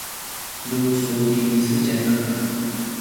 nu su kinisedjam anga